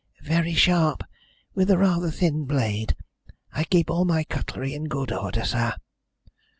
"Very sharp, with a rather thin blade. I keep all my cutlery in good order, sir."